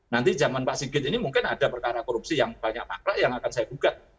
nanti zaman pak sigit ini mungkin ada perkara korupsi yang banyak makrak yang akan saya gugat